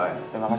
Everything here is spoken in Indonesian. makasih juga doc